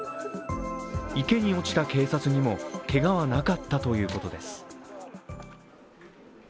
池に落ちた警察にもけがはなかったということです。